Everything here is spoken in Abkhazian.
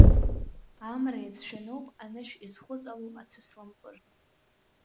Амра иацәшәаноуп анышә изхәыҵало ацәыслампыр.